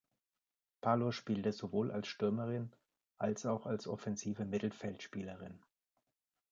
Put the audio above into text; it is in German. Parlow spielte sowohl als Stürmerin als auch als offensive Mittelfeldspielerin.